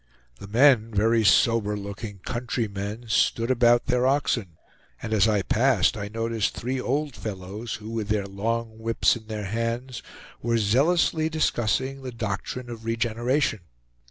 The men, very sober looking countrymen, stood about their oxen; and as I passed I noticed three old fellows, who, with their long whips in their hands, were zealously discussing the doctrine of regeneration.